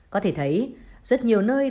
có thể thấy rất nhiều nơi